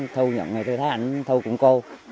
thì tôi thấy ảnh thu cũng cô